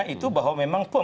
itu bahwa memang